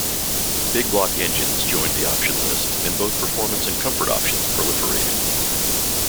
Big-block engines joined the option list, and both performance and comfort options proliferated.